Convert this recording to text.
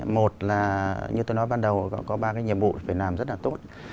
một là như tôi nói ban đầu có ba cái nhiệm vụ phải làm rất là tốt